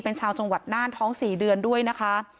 เป็นชาวจังหวัดน่านท้อง๔เดือนด้วยนะคะ